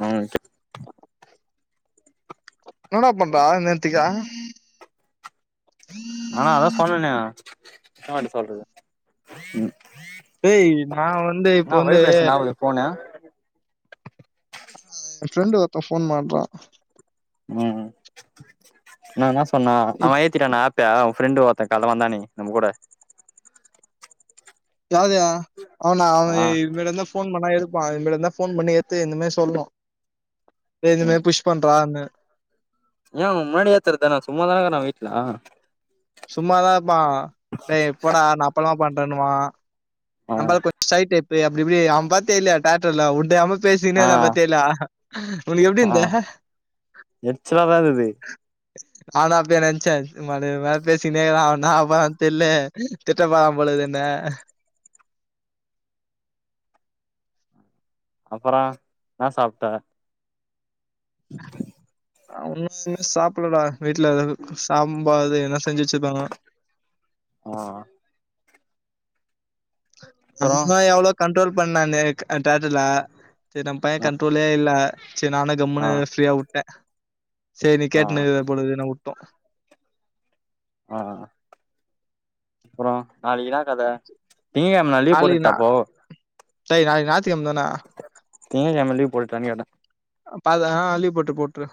ம் என்னாட பண்றா நேர்த்திக்கா ஆஹ் அதா சொன்னே எத்தன வாட்டி சொல்றது ஏய் நான் வந்து இப்போ என்னா வந்து வைப்ரேஷன் ஆவுது ஃபோனு ஆஹ் என் ஃப்ரெண்ட் ஒருத்தே ஃபோன்‌ பண்றான் உம் நா பண்ணா இப் அவேன் ஏத்திட்டானா ஆப் ப அவேன் ஃப்ரெண்டு ஒருத்தே காலைல வந்தானே நம்ம கூட யாருயா அவனா அவேன் ஆ இவன்ட்டருந்த ஃபோன் பண்ணா எடுப்பா இல்லனா ஃபோன் பண்ணி ஏத்து இந்த மாரி சொல்லுவோ ஏற்கனவே புஷ் பண்றானு ஏன் அவேன் முன்னாடி ஏத்துரதுதானே சும்மா தானே இருக்கான் வீட்ல சும்மாதாருப்பா ஏ போடா நா அப்பல்லா பண்றேன்னுவா ஆ நம்மாலு கொஞ்ச ஷை டைப்பு அப்டி இப்டி அவேன் பாத்தேல தேட்டர்ல [unintelligible] ஆ பேசினேருந்தா பாத்தேல உனக்கு எப்டி ஆ இருந்து எரிச்சலாதா இருந்தது நானு அப்டி தா நெனைச்சே ம்மால இவன் வேற பேசினே வர்றா என்னா ஆவப்போறானு தெர்ல திட்டப்போறாபொலக்குனு அப்றோ என்னா சாப்ட்ட அவனு இன்னு சாப்பிடலடா வீட்ல சாம்பாரு என்ன செஞ்சு வச்சிருப்பாங்க ஆ அப்பறோ நல்ல எவ்ளோ கண்ட்ரோல் பண்ணானு தேட்ருலா சேரி நம்ம பைய ஆ கண்ட்ரோலியே இல்ல சேரி நானு ஆ கம்முனு ஃப்ரீயா வுட்டே சேரி நீ ஆ கேட்னு இருக்க போலன்னு நா வுட் போ ஆஹ் அப்ரோ நாளைக்கு என்ன கத திங்க கெழம நா லீவ் நாளைக்கு போட்டுட்டா நா அப்போ டேய் நாளைக்கு ஞாய் த்து கெழம தான திங்க கெழம லீவ் போடடானு கேட்ட பாத ஆஹ் லீவ் போட்ரு போட்ரு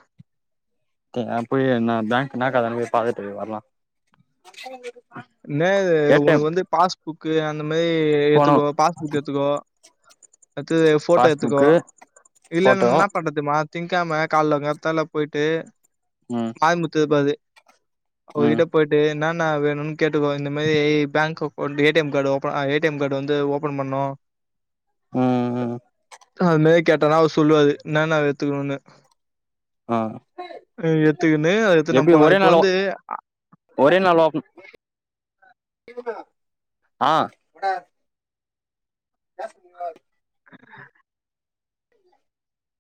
போய் நா பேங்க் என்ன கதனு போய் பாத்துட்டு வரலா நேது ஏ டி எம் உனக்கு வந்து பாஸ்புக் க்கு அந்த மேரி போனு எத்துக்கோ பாஸ்புக் எத்துக்கோ அட்தது போட்டோ எட்த்துக்கோ பாஸ்புக்கு இல்லன்ன போட்டோ என்ன பண்றதுமா திங் கெழம கால்லங்காத்தால பொய்ட்டு ம் ஆறுமுத்த பாரு ம் அவ்ருகிட்ட போயிட்டு என்ன என்ன வேணுனு கேட்டுக்கோ இந்த மாரி bank account A T M card ஓப் ஏ டி எம் கார்டு வந்து ஓபன் பண்ணும் உஹம் உஹம் அது மேறி கேட்டனா அவ சொல்லுவாரு என்ன ந எத்துக்கணுன்னு ஆஹ் அத எடுத்து நம்ம எப்டி போலாம். ஒரே இப்ப நாள்ல வந்து ஒரே நாள்ல ஆஹ் காஸ் சொல்வ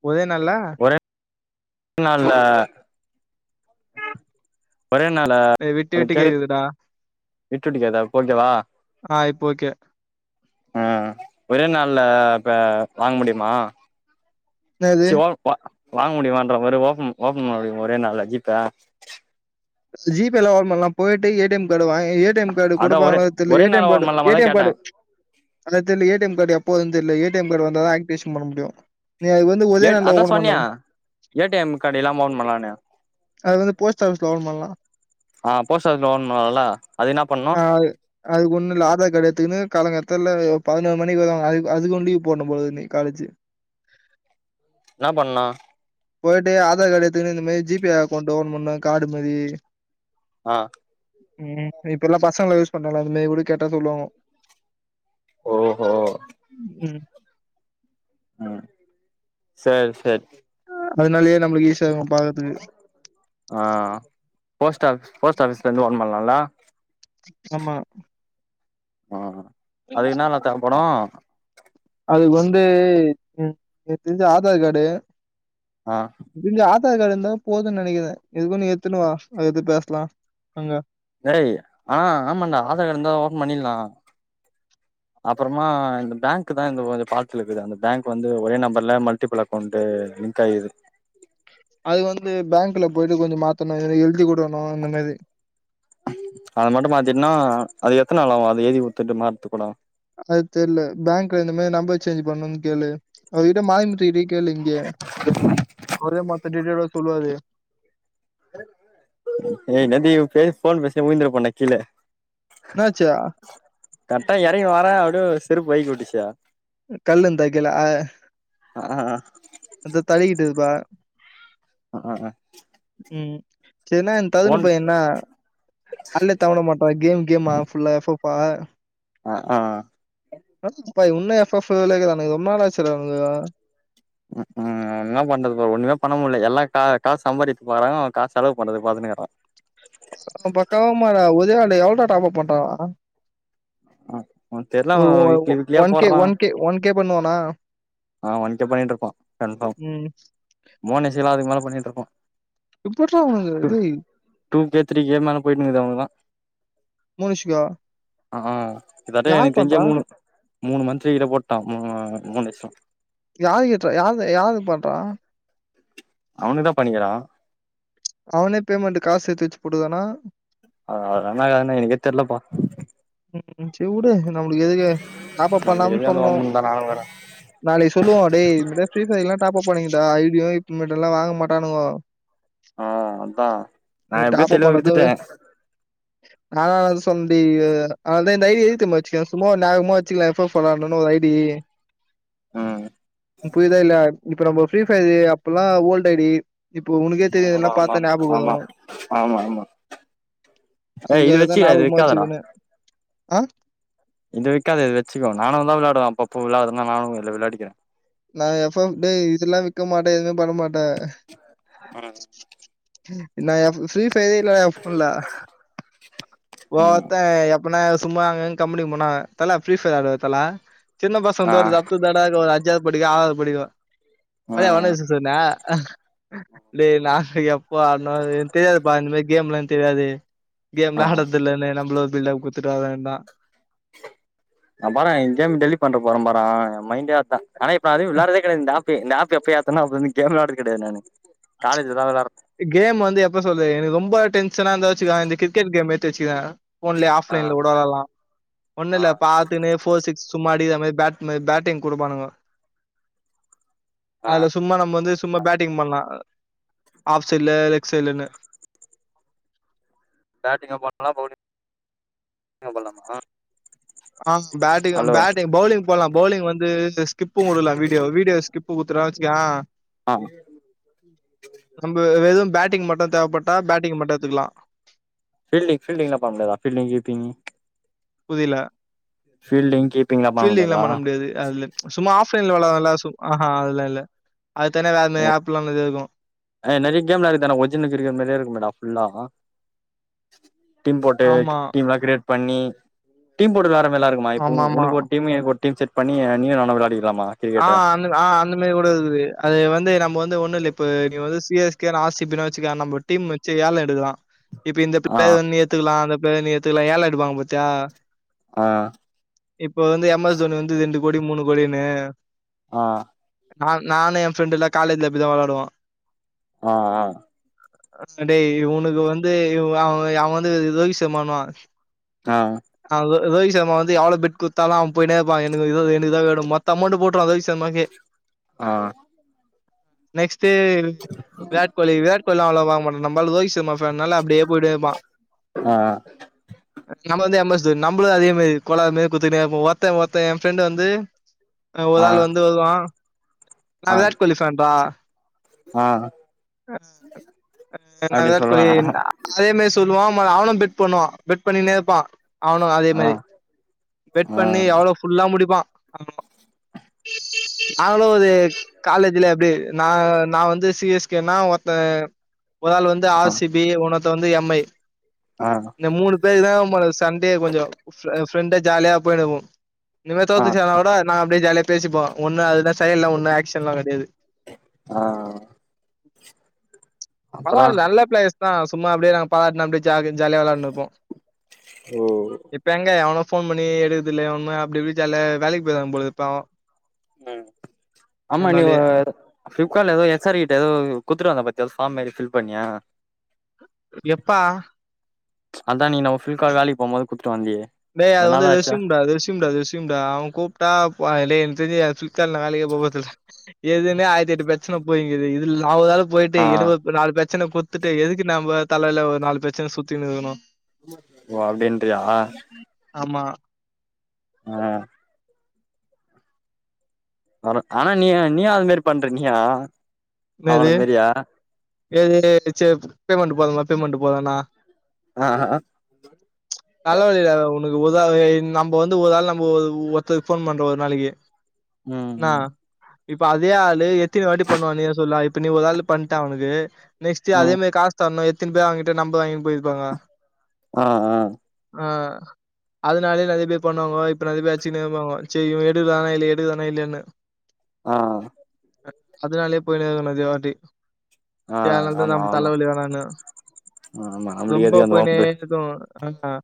ஒத நல்ல னால ஒரே நாள்ல விட்டு அத விட்டு கே கேக்குதுடா. விட்டு விட்டு கேக்குதா இப்போ ஓகேவா ஆஹ் இப்போ ஓகே உஹம் ஒரே நாள்ல இப்ப வாங்க முடிமா என்னது சி வ வ வாங்க முடியுமான்றே பாரு ஓபன் ஓபன் பண்ண முடியுமா ஒரே நாள்ல ஜிப் பே ஜி பேல்லா ஓபன் பண்ணலா போயிட்டு ஏ டி எம் கார்டு வாங் ஏ டி எம் கார்டு அதா ஒரே கொடுப்பாங்கலா தெரில ஒரே ஏ டி எம் நாள்ல ஓபன் கார்டு ஏ பண்லாமாதா டி எம் கேட்டே கார்டு அத தெரில ஏ டி எம் கார்டு எப்போ வருதுன்னு தெரில A T A T M card வந்தா தா ஆக்டிவேஷன் பண்ண முடியு ஏ அதா சொன்னியா ஏ டி எம் கார்டு இல்லாம ஓபன் பண்ணலான்னு அது வந்து போஸ்ட் ஆஃபீஸ்ல ஓப்பன் பண்ணலாம். ஆ போஸ்ட் ஆபீஸ்ல போடனும்னான்ல அது என்ன பண்ணனு கிடையாத்துக்குன்னு காலங்காத்தால பதினொரு மணிக்குது அதுக் அதுக்கொண்டி போடனுபோலக்குது இனி காலேஜு என்ன பண்ணலா போயிட்டு ஆதார் கார்டு எடுத்துகுன்னு இந்த மாதி ஜி பே அக்கௌண்ட் ஓபன் பண்ணனு காடு மதி ஆ ம் இப்ப எல்லா பசங்களு யூஸ் பண்றாங்களா அதுலே வுடு கேட்டா சொல்லுவாங்க ஓஹோ ம் ம் சேரி சேரி அதனாலயே நம்மளுக்கு ஈசியாகு ஆ போஸ்ட் ஆபீஸ் போஸ்ட் ஆபிஸ்ல இருந்து ஓபன் பண்ணலாம்ல ஆமா ஆ அதுக்கு என்னால தேவப்படு அது வந் வந்து எனக் எனக்கு தெரிஞ்சி ஆதார் கார்டூ ஆ ஆதார் கார்டு இருந்தா போதுன்னு நினைக்கிறே எதுக்கு நீ எடுத்துணுவா அத பத்தி பேசலா அங்க ஏய் ஆ ஆமாண்டா ஆதார் கார்டு இருந்தா ஓபன் பண்ணிடலா அப்பறமா இந்த பேங்க் தா இந்த கொஞ்சோ ஃபால்ட்ல இருக்குது அந்த பேங்க் வந்து ஒரே நம்பர்ல மல்டிபிள் அக்கௌண்ட் லிங்க் ஆயிது அது வந்து பேங்க்ல போயிட்டு கொஞ்சோ மாத்தணு ஏதோ எழுதி கொடுக்கனு இந்த மாதி அத மட்டு மாத்திடோன்னா அது எத்தன நாள் ஆகு அது எழுதி குடுத்துட்டு மாத்து கூட அது தெரில பேங்க்ல இந்த மாதி நம்பர் சேஞ்ச் பண்ணும்னு கேளு அதுகிட்ட மாயமுட்ரி கேளு இங்க அவரே மத்த டீடைல்லா சொல்லுவாரு ஏ இன்நேரத்துக்கு பே போன் பேசிட்டே விழுதுருப் பேண்டா கீழ என்னாச்சு? கரெக்டா இறங்கி வரே அப்டியே செருப்பு வழுக்கி விட்டுசிடா கல்லந்தைக்கல ஆ ஆ அந்த தள்ளிக்கிட்டதுப்பா ஆ ஆ ஆ ம் சரின்னா இந்த தகுன்னு பைய என்னா அல்லே தவட மாட்டா கேம் கேம்மா ஃபுல்லா ப ஆ ஆ [unintelligible] உன்ன எஃப் எஃபு லைக்குதான இது ஒன் நாள் ஆச்சுடா [unintelligible] உம் உம் வேற என்ன பண்றதுக்கு ஒண்ணுமே பண்ண முட்ல எல்லா கா காஸ் சாம்பாரித்க்கு வாராங்க நம காஸ் செலவு பண்றதுக்கு பாதுனேறோ பக்கவமாறா உதயாண்டு எவுள்டா டாப்பப் பண்றா அ ஆ உனக்கு தெர்ல ஒ அவ - ஒ - ஒ - வீக்லி ஒ - ஒன்கே ஒன்கே ஒன்கே பண்ணுவானா ஆஹ் அவன்ட்டதா இடுக்கு கன்ஃபாம் ம். ஓன் எஸ்ஸேலா அதுக்மேல பண்ணிட்ருப் எப்புட்றா அவனுக்கு எது நீ டூ கே த்ரீ கே மேல போய்ட்னிக்குது அவுங்கலுக்குலா மூடுஸ்சியா ஆஹ் இதாட்ட எனெக் தெர்ஞ்சே மூணு மூணு மந்த்லி கிட்ட போட்டான் மூணு மூண் லட்ஸோ யாரி கெட்றா யாது யாரு பண்றா அவுனுதா பண்ணிகிறான் அவனே பேமெண்ட்டு காஸ் சேத்து வச்சு போடுதானா அவ ரன்னா ஏர்னு எனுக்கே தெர்லபா ம் சே உடு ன் நம்ளுக் எதுக்கு டாப்பப் நம்மளுக்கு பண்லாமுன் எதுக்கு அந்த சொல்னு வம்புன்னு தா நானு இருக்குற நாளை சொல்லுவோ அடே இந்த மார் பேஸ்னதுக்குலா டாப்பப் பண்ணிகிட்டா ஐடியு டும்மேட்டெல்லா வாங்க மாட்டானுகோ ஆ அதா நா ஏ எப்டியோ டாப்பப் தெளிவா பண்ணது வித்துட்டே நாளாவது சொன்டி அ அதா நை எது தெமா வச்சியோ சும்மா ஒரு நியாகுமா வச்சிக்லா எஃபோ ஃபோலான்னு ஒரு ஐடி ம் புரிதா இல்லயா இப்ப நம்ம ஒர் ஃப்ரீ ஃபயது அப்புல்லா ஓல்டைடி ஆமாமா ஆமா ஆமா ஆமா ஏ இது வச்சுகிறா அது வெக்காதடா ஆஹ் இதந்த வெக்காத இத வச்சகோ நானு தா விளாடுவ அப்பப்போ விளாடுதுனா நானு இல்ல விளாடிகிற நா எஃப் எம் டே இதுல்லா விக்க மாட்டே எதுமே பண்ண மாட்ட என்னயா ஃபு ஃபீஸ் பேல ஃபுல்லா ம் ஓர்த்த எப் இப்ப நா எதாது சும்மா அங்கங் கம்முன்னு இருப்பனா தல ஃப்ரீ ஃபர் ஆடுவ தல சின்ன பசந் ஆ தோர்தா அப்புதாடாருக்கு ஒர் த் படிக்கு ஆறாது படிக்கு வாயா ஒன் ம் வெசஸ் ஒன்னு அ லே நா எப் பா நா என்க் தெரியாது பா இந்த மார் கேம்லா தெர்யாதெ ஆ கேம்லா ஆ ஆடத்தெர்லனு நம்ளோ பில்டப் குட் த்துட்டு வர வேண்டா நா பாரே இங்கேம் டெலிப் பண்ற போற பாரே மைண்டே அதா ஆனா இப்ப அதும் விள்ளாட்றதே கெடாது இந்தாப் பு இந்த அப்பு எப்பயேத்தனோ அப்பள இருந்து கேம் விளாட்றது கெடயாது நானு காலேஜ்ல தா விளாட்றோ கேம் வந்து எப்ப சொல்லு எனக் ரொம்போ டென் சன்னாந்தா வச்சிக இந்த கிரிகெட் கேமு ட்டெச்சிதா ஃபோன்லெயே ஆ ஆஃப்லைன்ல கூட வெள்ளார்லா ஆ ஒண்ணில்ல பாத்துகின்னு போர் சிக்ஸ் சும்மா அடிக்றமாரி பேட் மெ பேட்டிங் குடுப்பானுங்கொ அதுல சும்மா நம்ம வந்து சும்மா பேட்டிங் பண்லா ஆஃப் சேய்ல லெக்ஸைலன்னு பேட்டிங்க போட்லாம் பௌங்லிங் போட்லாமா ஆஹ் பேட்டிங்கு பேட்டிங் பௌவ்லிங் போட்லாம் பௌலிங் வந்து ஸ்கிப்பு குடுக்லா வீடியோ வீடியோ ஸ்கிப்பு குத் தர வச்கியா ஆ நம்பு வெதும் பேட் டிங் மட்டும் தேவைப்பட்டா பேட்டிங் மட்டு எத்துக்கலா ஃபீல்டிங் ஃபீல்டிங் லப்பாம்ல எதா பீல்டிங் யூட்டிங்கு புதிலெ ஃபீல்டிங் கீப் பீல்டிங்ல்லா பண்ண முடியாது அதுல சும்மா ஆஃப் லைன்ள வேல நல்லா சொ ஆஹா அதுலால்ல அது தானே வேறமாரி ஆப்லா நற்யா இருக்கும் ஆஹ் நறய கேம்லா இருக்குது ஆனா ஒர்ஜில் இருக்க மேரியே இருக்கு மேடா ஃபுல்லா ஆஹ் டிம் போட்டே ஆமா. டீம்லா க்ரியேட் பண்ணி டீம் போட்டத ஆரம் [unintelligible] ஆமாமா. உனக்கு ஒரு டீமு எனக்கொ டீம் செட் பண்ணி நீயு நானு விளாடிக் ஆஹ் அந்த ஆஹ் அந்த மாரி கூட இருக்குது அது வந்து நம்போ வந் து ஒண்ணு இல்ல இப்போ நீ வந்து சி எஸ் கே நா ஆர் சி பி ன் வச்சிக்க நம்ப டீம் வச்சு ஏல எடுக்குற இப்ப இந்த ஆ பிளயர வந்து நீ எத்துக்கலாம் அந் இப்போ எத்துக்குலாம் ஏல எடுப்பாங்க பாத்தியா ஆஹ் இப்போ வந்து எம்எஸ் தோனி வந்து ரெண்டு கோடி மூணு கோடிணு ஆஹ் நான் நானும் என் பிரெண்டு எல்லாம் காலேஜ்ல இப்பயடிதான் விளாயாடுவான் ஆஹ் ஆஹ் அடே உனக்கு வந்து அவன் அவன் வந்து ரோகித் சர்மா ஆஹ் ரோஹித் சர்மா வந்து எவ்ளோ பெட்குத்தாலும் அவ போயேப்பான் எனக்குக்கு இதும் மத்த அமௌண்ட போ அதவரைக்கு விஷயமாக்கே ஆஹ் நெக்ஸ்ட் விராட் கோலி எல்லாம் அவவள வாங்கட்டம் நம்ளோய [unintelligible] [unintelligible] அப்டியே போயிட்டே இருப்பான் ஆ ஆ நம்ம வந்து எம் [unintelligible] நம்மளும் அதே மாரி குழா மி குத்துக்கிட்டா இரு ஒருத்தன் ஒருத்தன் என் ஃப்ரெண்டு் வந்து [unintelligible] ஒரு ஆ ஆள் வந்து வருவான் ஆ நான் விராட் கோலி பேன் பா ஆ ந அப்டி விராட் கோலி சொல்லுவானா அதேமாரி சொல்லுவான் அவனும் பெட் பண்ணுவான் பெட் பண்ணிணை இர்ப்பான் அவனு அதே ஆ மாரி பெட் ஆ பண்ணி எவ்ளோ புல்லா முடிப்பான் நாங்களும் ஒரு காலேஜ்ல எப்டி ந நான் வந்து சி எஸ் கா னா ஒருத்தன் ஒரு ஆள் வந்து ஆ ஆர் சி பி உன வந்து எம் ஐ ஆ இந்த மூணு பேர் தான் சண்டே கொஞ்சம் ஃபிரண்டு ஜாலியா போயிடுவோம் இந்த மாரி ஆ தோத்துச்சுன்னா கூட நான் அப்டியே ஜாலியா பேசிப்போம் ஒன்னும் அது சையல்லா ஒன்னும் ஆக்ஷ்ன் எல்லாம் கிடாயது ஆஹ் பரவால்ல நல்ல பிளேயர்ஸ் சும்மா அப்டியே நாங்க [unintelligible] ஜாலியா விளாயாட்னு இப்போம் ஓ இப்ப எங்க எவனும் ஃபோன் பண்ணி எடுக்குதுலயா ஒண்ணு அப்டி இப்டி ஜாலியா வேலைக்கு போயிவாங்க போல பாவோ உம் ஆமா நீ அ ஒ அதனாலயே ஃப்ளிப்கார்ட்ல ஏதோ எச் ஆர் கிட்ட எதோ குத்துடு வந்த பாத்தியா எதோ ஃபாம் மாரி ஃபில் பண்ணியா எப்பா அதான் நீ நம்ம ஃபிலிப்கா வேலைக்கு போம்போது குத்த டேய் அது வந்து ரெஸ்யூம் டா ரெஸ்யூம் டா ரெஸ்யூம் டா அவன் கூப்ட்டா [unintelligible] கார்ட்ல நா வேலைக்கே போபோறதுல்ல எதுமே ஆயத்தெட்டு பிரசன்ன ச்சனை போயின்குது இதுல ஆவதால போயிட்டு ஆ எணுக்கு ஒரு நாலு பிரச்சன கொட்த்துட்டு எதுக்கு நாம தலைல ஒரு நாலு பிரச்சன சுத்திநுருக்கணும் ஓ அப்டின்றியா ஆமா ஆஹ் [unintelligible] ஆனா நீய நீஏ அது மாரி பண்ற நீயா என்து அவன மாரியா ஏது சரி பேமெண்ட் போதுங்கள பேமெண்ட் போதனா ஆ தலைவலிடா அது உனக்கு ஒரு நம்மப வந்து ஒரு நாள் நம்மபா வ ஒருத்தக்கு போன் பண்றோம் ஒரு நாளைக்கு உஹம் என்னா? இப்ப அதே ஆளு எத்தனி வாட்டி பண்ணுவா நீ சொல்லா இப்ப நீ ஒரு ஆள் பண்ட்டே அவனுக்கு நெக்ஸ் ம் அதே காஸாதணும் எது த்தென் பேர் அவன்கிட்ட நம்பர் வாங்கிட்டு போயிருப்பாங்க ஆஹ் உஹம் ஆஹ் அதனாலயே நிறைய பேர் பண்ணுவாங்க இப்ப நிறைய பேர் ஆச்சுன்னே இருப்பாங்கோ சரி இவன் எடுக்குராணா இல்லயா எடுக்குராணா இல்லலைன்னு ஆஹ் அதனாலயே பொய்நெருக்கணு நேர்யவாட்டி ஆ சேல நேரத்துல ஆமா நமக்கு ஆமா தலைவலி வேணானனு ஆமா நம்மளுக்கு ரொம்ப எதுக்கு அந்த வம்பு போய்நேக்கும் ஆஹ்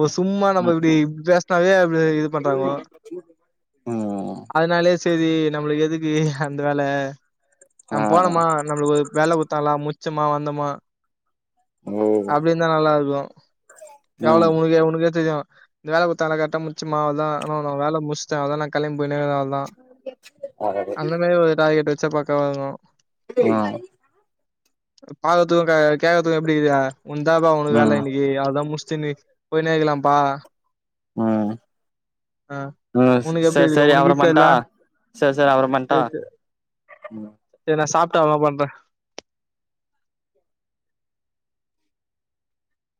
ஒரு சும்மா நம்ம ம் இப்படி பேசனாவேப்ப இது பண்றாங்கோ ம் அதனாலே சரி நம்மளுக்கு எதுக்கு அந்த வேலை ஆ நம்ம ஆ போனோமா நம்மளுக்கு ஒரு வேலை கொடுத்தலாம் ச்சமா வந்தமா ஓ அப்படினு தான் நல்லா இருக்கும் எவ்ள ம் உனக உனக்கு செய்ய தெரியும் இந்த வேலை கொட்தாங்லா கர்ட்டா முச்சோம் ஆ அவ்ளோதா நானும் வேல முட்ச்சிட்டான் அவ்ளோதா நான்னு கிளம்றே போய்ட்னே அவ்ல்தா அந்த மாரி ஒரு டார்கெட் வச்ச ப ங்கும் [unintelligible] பாக்றதுக்குள்ள கட் ஆயிடிச்சி கே எப்படிக்குா உந்தாபா உனக்கு வேலை இன்க்கு அதான் மு போய் நேக்கலாம்ப்பா ம் ம் உனக்கு எப்டி செர் இருக்கு செரி உனக்கு அப்ரம் ஈசியா இல்ல பண்ட்டா செர் செரி அப்ரம் பண்டா சேரி சேரி சேரி நா சாப்ட்டு அப்றமா பண்றே